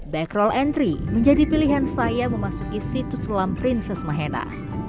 back roll entry menjadi pilihan saya memasuki situs selam princes mahena